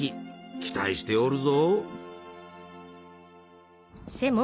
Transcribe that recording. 期待しておるぞ。